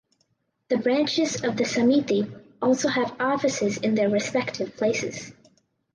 The branches of the "samiti" also have offices in their respective places.